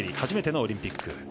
初めてのオリンピック。